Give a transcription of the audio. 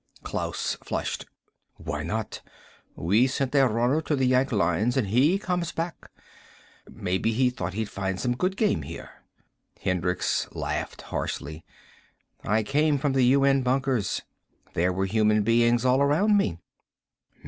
Klaus flushed. "Why not? We sent a runner to the Yank lines and he comes back. Maybe he thought he'd find some good game here." Hendricks laughed harshly. "I came from the UN bunkers. There were human beings all around me."